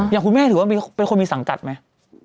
อย่างคุณแม่ถือว่าเป็นคนมีสังกัดไหม